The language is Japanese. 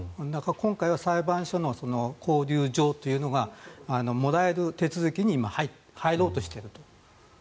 今回は裁判所の勾留状というのがもらえる手続きに今、入ろうとしていると。